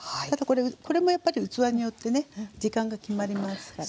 これもやっぱり器によってね時間が決まりますからね。